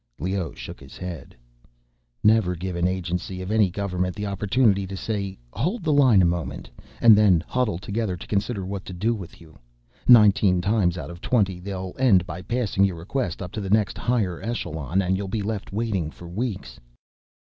Leoh shook his head. "Never give an agency of any government the opportunity to say 'hold the line a moment' and then huddle together to consider what to do with you. Nineteen times out of twenty, they'll end by passing your request up to the next higher echelon, and you'll be left waiting for weeks."